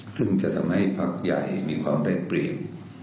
ซึ่งจะทำให้พักใหญ่มีความได้เปรียบ